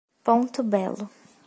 Ponto Belo